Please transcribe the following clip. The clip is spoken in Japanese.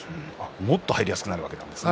もっと入りやすくなるわけですね。